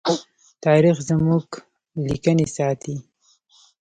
تاریخ زموږ لیکنې ساتي.